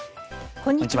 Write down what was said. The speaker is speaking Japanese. こんにちは。